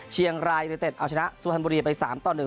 เชียงรายอยู่ด้วยเต็ดเอาชนะสุธรรมบุรีไปสามต่อหนึ่ง